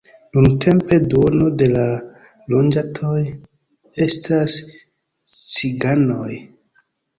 Nuntempe duono de la loĝantoj estas ciganoj.